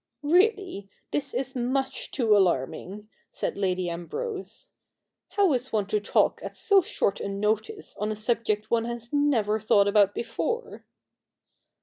' Really, this is much too alarming,' said Lady Ambrose. CH III.] THE NEW REPUBLIC 19 * How is one to talk at so short a notice on a subject one has never thought about before